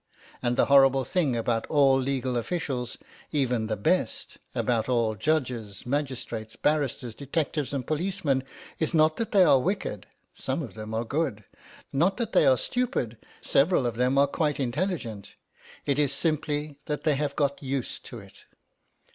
And the horrible thing about all legal officials, even the best, about all judges, magistrates, barristers, detectives, and policemen, is not that they are wicked (some of them are good), not that they are stupid (several of them are quite intelligent), it is simply that they have got used to it.